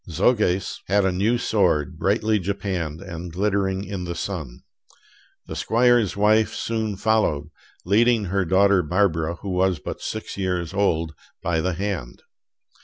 Soges had a new sword, brightly japanned and glittering in the sun. The squire's wife soon followed, leading her daughter Barbara, who was but six years old, by the hand.